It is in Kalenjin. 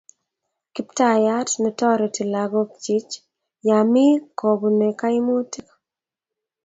kiptayat ne tareti lagok chik ya mi kopune kaimutik